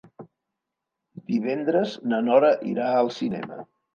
Divendres na Nora irà al cinema.